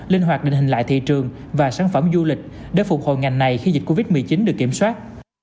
linh hoạt định hình lại thị trường và sản phẩm du lịch để phục hồi ngành này khi dịch covid một mươi chín được kiểm soát